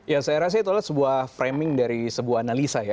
ya saya rasa itu adalah sebuah framing dari sebuah analisa ya